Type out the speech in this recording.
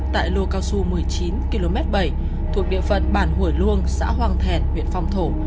tại lua cao xu một mươi chín km bảy thuộc địa phận bản hủy luông xã hoàng thẹn huyện phong thổ